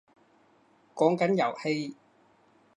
講緊遊戲